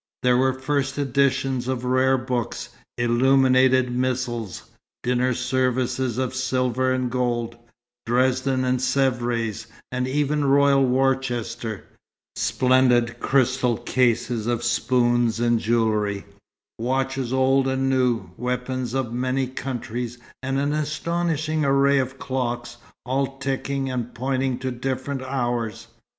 There were first editions of rare books, illuminated missals, dinner services of silver and gold, Dresden and Sèvres, and even Royal Worcester; splendid crystal cases of spoons and jewellery; watches old and new; weapons of many countries, and an astonishing array of clocks, all ticking, and pointing to different hours.